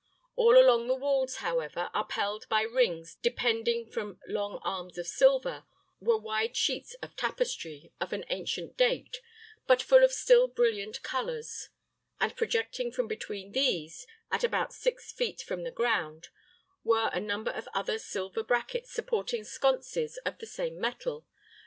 All along the walls, however, upheld by rings depending from long arms of silver, were wide sheets of tapestry, of an ancient date, but full of still brilliant colors; and projecting from between these, at about six feet from the ground, were a number of other silver brackets supporting sconces of the same metal.